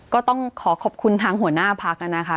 ก็ต้องขอขอบคุณทางหัวหน้าพักนะคะ